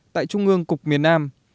tại trung ương cục miền nam